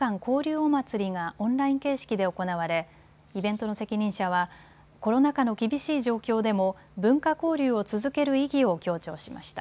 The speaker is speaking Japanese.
おまつりがオンライン形式で行われイベントの責任者はコロナ禍の厳しい状況でも文化交流を続ける意義を強調しました。